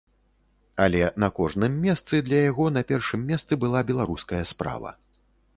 Але на кожным месцы для яго на першым месцы была беларуская справа.